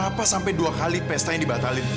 kenapa sampai dua kali pestanya dibatalin